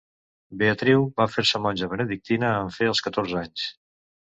Beatriu va fer-se monja benedictina en fer els catorze anys.